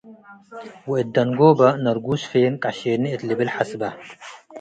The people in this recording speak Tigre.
ወእት ደንጎበ፤ “ነርጉስ ፌን፡ ቀሼኒ” እት ልብል ሐስበ።